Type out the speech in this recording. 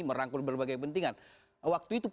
merangkul berbagai pentingan waktu itu